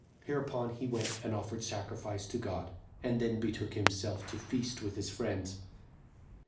Hereupon he went and offered sacrifice to God, and then betook himself to feast with his friends.